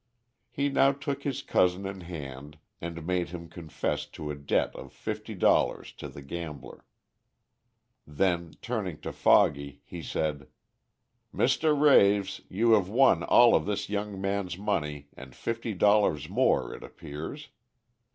He now took his cousin in hand, and made him confess to a debt of fifty dollars to the gambler. Then turning to Foggy he said: "Mr. Raves, you have won all of this young man's money and fifty dollars more, it appears.